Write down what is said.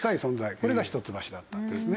これが一橋だったんですね。